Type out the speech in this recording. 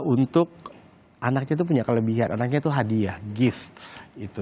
untuk anaknya itu punya kelebihan anaknya itu hadiah gift gitu